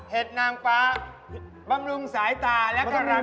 เหตุนางฟ้าบำรุงสายตาและการรัก